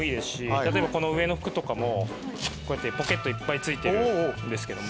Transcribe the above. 例えばこの上の服とかもこうやってポケットいっぱい付いてるんですけども。